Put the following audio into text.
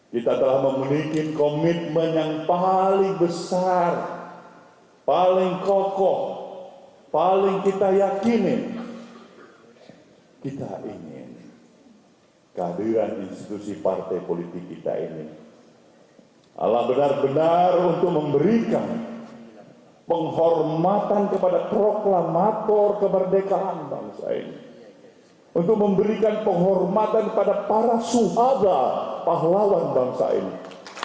pertimbangan utamanya adalah keberhasilan partai nasdem memperoleh peningkatan suara di pemilu dua ribu sembilan belas